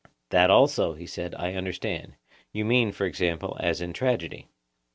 That also, he said, I understand; you mean, for example, as in tragedy.